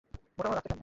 এখান থেকে চলো।